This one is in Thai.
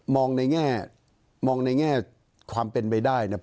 มองในแง่ความเป็นไปได้นะ